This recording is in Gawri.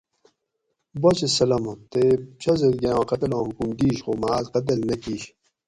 باچہ سلامت تے شازادگے آں قتلاں حکم دِیش خو مہ آۤس قتل نہ کِیش